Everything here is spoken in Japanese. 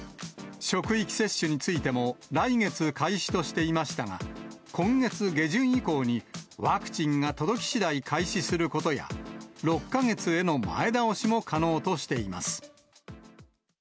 職域接種についても、来月開始としていましたが、今月下旬以降にワクチンが届きしだい開始することや、６か月への前倒しも可能としています。